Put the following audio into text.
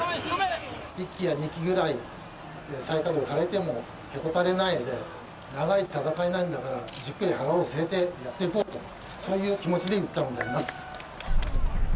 １基や２基ぐらい再稼働されてもへこたれないで長い闘いなんだからじっくり腹を据えてやっていこうとそういう気持ちで言ったのであります。